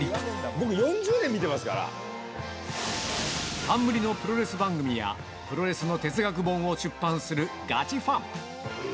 僕、冠のプロレス番組や、プロレスの哲学本を出版するガチファン。